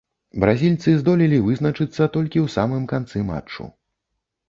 Бразільцы здолелі вызначыцца толькі ў самым канцы матчу.